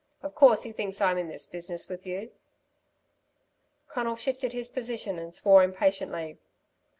Of course he thinks I'm in this business with you." Conal shifted his position and swore impatiently.